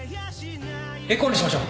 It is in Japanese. エコーにしましょう